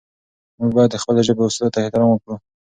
موږ باید د خپلې ژبې اصولو ته احترام وکړو.